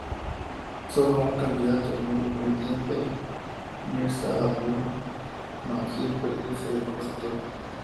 Solo un candidato, el independiente Mirza Abdul Majid, perdió su depósito.